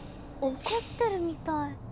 怒ってるみたい。